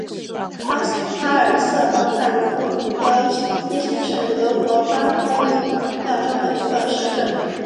阿尔茨河畔布格基兴是德国巴伐利亚州的一个市镇。